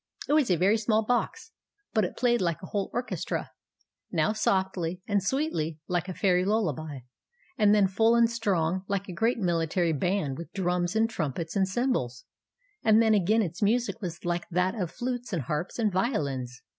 It was a very small box, but it played like a whole orchestra, now softly and sweetly like a fairy lullaby, and then full and strong like a great military band with drums and trumpets and cymbals ; and then again its music was like that of flutes and harps and violins.